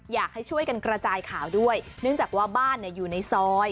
อยากให้ช่วยกันกระจายข่าวด้วยเนื่องจากว่าบ้านอยู่ในซอย